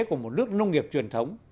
của một nước nông nghiệp truyền thống